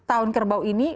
tahun kerbau ini